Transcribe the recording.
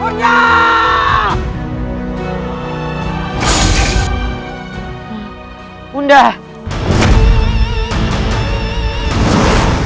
ternyata dia ada disini